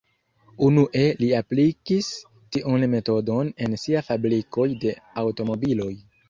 Unue li aplikis tiun metodon en sia fabrikoj de aŭtomobiloj.